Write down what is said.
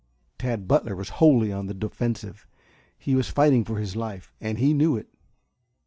Tad Butler was wholly on the defensive; he was fighting for his life and he knew it.